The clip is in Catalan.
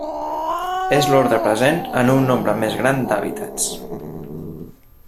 És l'ordre present en un nombre més gran d’hàbitats.